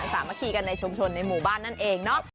สามัคคีกันในชุมชนในหมู่บ้านนั่นเองเนาะ